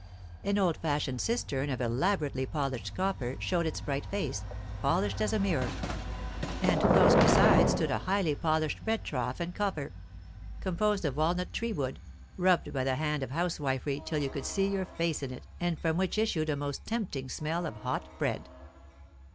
An old fashioned cistern of elaborately polished copper showed its bright face, polished as a mirror; and close beside stood a highly polished bread trough and cover, composed of walnut tree wood, rubbed by the hand of housewifery till you could see your face in it and from which issued a most tempting smell of hot bread.